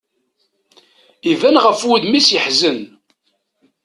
Iban ɣef wudem-is yeḥzen.